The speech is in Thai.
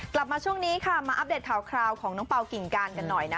กลับมาช่วงนี้ค่ะมาอัปเดตข่าวคราวของน้องเปล่ากิ่งการกันหน่อยนะ